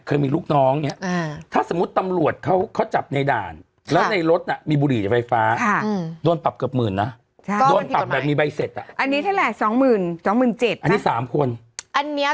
เคยมีลูกน้องเนี่ย